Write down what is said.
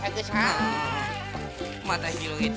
またひろげて。